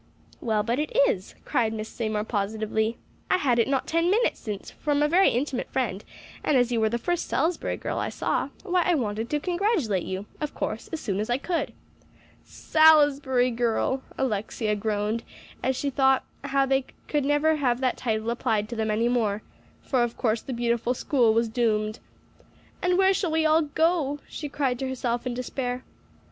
"Well, but it is," cried Miss Seymour positively. "I had it not ten minutes since from a very intimate friend; and as you were the first Salisbury girl I saw, why, I wanted to congratulate you, of course, as soon as I could." "Salisbury girl!" Alexia groaned as she thought how they should never have that title applied to them any more; for of course the beautiful school was doomed. "And where shall we all go?" she cried to herself in despair.